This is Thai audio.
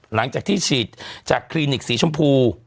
หลังจากที่ฉีดจากคลินิกสีชมพู